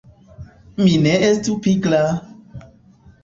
Mi ne estu pigra!